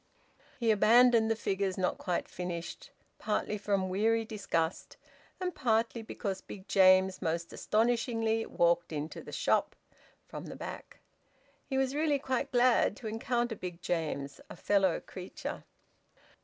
He abandoned the figures not quite finished, partly from weary disgust, and partly because Big James most astonishingly walked into the shop, from the back. He was really quite glad to encounter Big James, a fellow creature.